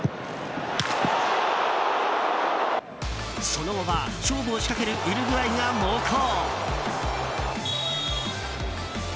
その後は勝負を仕掛けるウルグアイが猛攻。